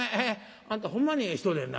あんたほんまにええ人でんな。